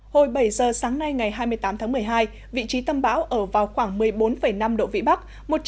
hồi bảy giờ sáng nay ngày hai mươi tám tháng một mươi hai vị trí tâm bão ở vào khoảng một mươi bốn năm độ vĩ bắc